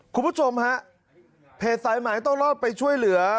คุณผู้ชมฮะเพจสายหมายต้องรอดไปช่วยเหลือ